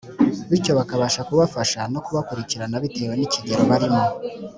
bityo bakabasha kubafasha no kubakurikirana bitewe n’ikigero barimo.